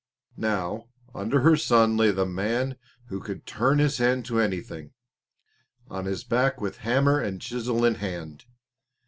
Now, under her shadow lay the man "who could turn his hand to anything," on his back with hammer and chisel in hand.